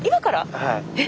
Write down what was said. はい。